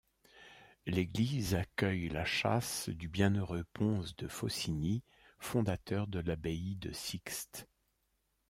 L'église accueille la châsse du bienheureux Ponce de Faucigny fondateur de l'abbaye de Sixt.